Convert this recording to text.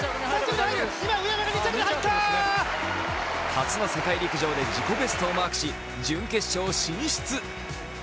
初の世界陸上で自己ベストをマークし準決勝進出。